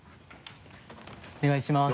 お願いします。